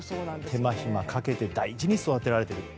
手間ひまかけて大事に育てられている。